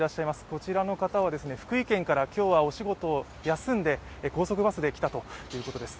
こちらの方は福井県から今日はお仕事を休んで高速バスで来たということです。